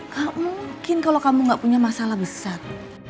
kau mungkin kalau kamu gak punya masalah besar